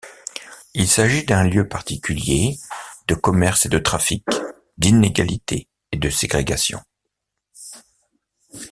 Il s'agit d'un lieu particulier, de commerces et de trafics, d'inégalités et de ségrégations.